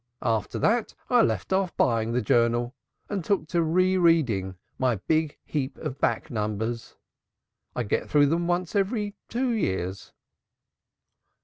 After that I left off buying the Journal and took to reading my big heap of back numbers. I get through them once every two years."